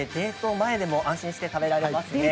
前でも安心して食べられますね。